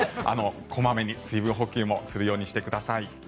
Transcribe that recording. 小まめに水分補給をするようにしてください。